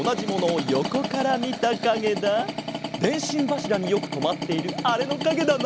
でんしんばしらによくとまっているあれのかげだな。